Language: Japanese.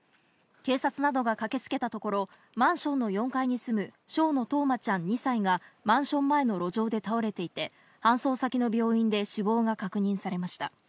警察などが駆けつけたところ、マンションの４階に住む昌野任真ちゃん２歳がマンション前の路上で倒れていて、搬送先の病院で死亡が確認されました。